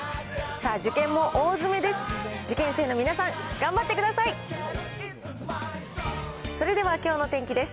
さあ、受験も大詰めです。